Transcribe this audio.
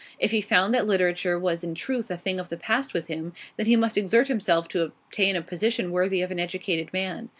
If he found that literature was in truth a thing of the past with him, then he must exert himself to obtain a position worthy of an educated man.